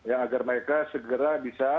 agar mereka segera bisa